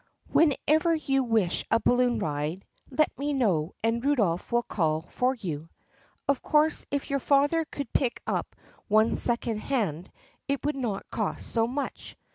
"Whenever you wish a balloon ride, let me know and Rudolph will call for you. Of course, if your father could pick one up second hand, it would not cost so much.